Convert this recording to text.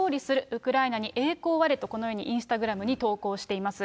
ウクライナに栄光あれ！とこのようにインスタグラムに投稿しています。